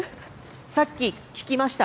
さっき、聞きました。